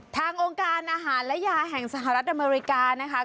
องค์การอาหารและยาแห่งสหรัฐอเมริกานะคะ